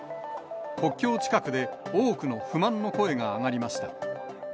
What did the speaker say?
国境近くで多くの不満の声が上がりました。